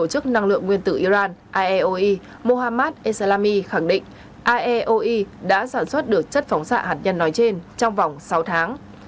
hàng lượng nguyên tử iran iaoe mohammad eslami khẳng định iaoe đã sản xuất được chất phóng xạ hạt nhân nói trên trong vòng sáu tháng